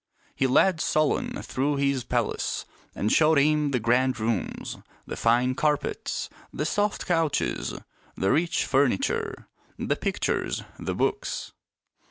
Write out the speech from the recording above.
He led Solon through his palace and showed him the grand rooms, the fine carpets, the soft couches, the rich furniture, the pictures, the books.